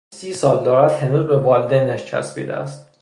با آنکه سی سال دارد هنوز به والدینش چسبیده است.